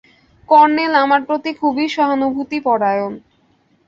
Colonel আমার প্রতি খুবই সহানুভূতিপরায়ণ।